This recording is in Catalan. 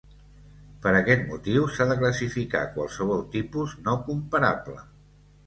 Per aquest motiu, s"ha de classificar qualsevol tipus no comparable.